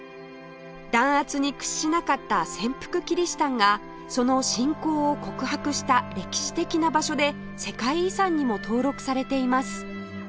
弾圧に屈しなかった潜伏キリシタンがその信仰を告白した歴史的な場所で世界遺産にも登録されています